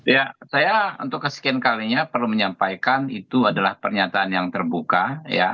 ya saya untuk kesekian kalinya perlu menyampaikan itu adalah pernyataan yang terbuka ya